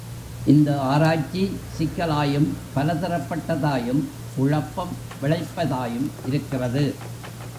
இந்த ஆராய்ச்சி சிக்கலாயும், பல திறப்பட்டதாயும், குழப்பம் விளைப்பதாயும் இருக்கிறது.